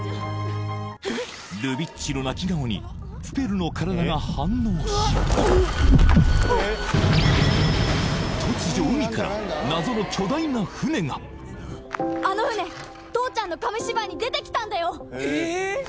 ルビッチの泣き顔にプペルの体が反応し突如あの船父ちゃんの紙芝居に出てきたんだよえーっ！？